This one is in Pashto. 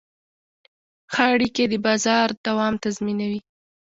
ښه اړیکې د بازار دوام تضمینوي.